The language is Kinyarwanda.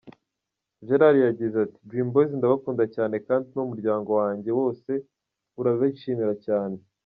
Gerard yagize ati :« Dream Boyz ndabakunda cyane kandi n’umuryango wanjye wose urabishimira cyane.